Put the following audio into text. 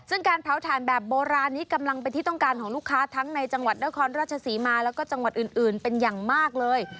ซึ่งการเผาถ่านแบบโบราณนี้กำลังเป็นที่ต้องการของลูกค้าทั้งในจังหวัดนครราชศรีมาแล้วก็จังหวัดอื่นเป็นอย่างมากเลย